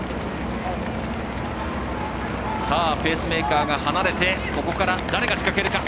ペースメーカーが離れてここから、誰が仕掛けるか。